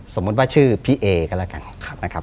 สมมุติว่าชื่อพี่เอก็แล้วกันนะครับ